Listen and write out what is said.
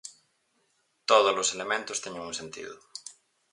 Todos os elementos teñen un sentido.